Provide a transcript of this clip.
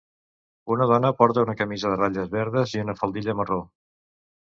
Una dona porta una camisa de ratlles verdes i una faldilla marró.